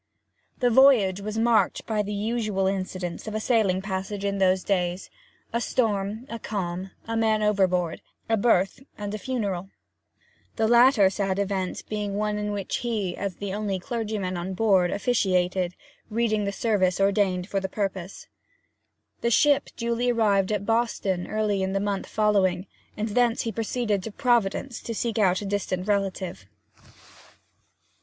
The voyage was marked by the usual incidents of a sailing passage in those days a storm, a calm, a man overboard, a birth, and a funeral the latter sad event being one in which he, as the only clergyman on board, officiated, reading the service ordained for the purpose. The ship duly arrived at Boston early in the month following, and thence he proceeded to Providence to seek out a distant relative.